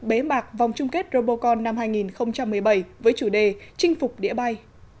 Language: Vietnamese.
bế mạc vòng chung kết robocon năm hai nghìn một mươi bảy với chủ đề chinh phục đĩa bay